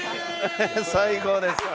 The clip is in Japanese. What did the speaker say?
最高です。